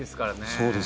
そうです